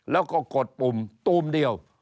แล้วก็กดปุ่มตูมเดียว